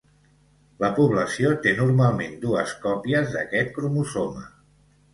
La població té normalment dues còpies d'aquest cromosoma.